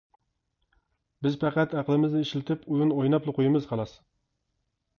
بىز پەقەت ئەقلىمىزنى ئىشلىتىپ ئويۇن ئويناپلا قويىمىز، خالاس.